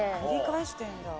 繰り返してんだ。